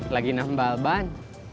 lagi nembal ban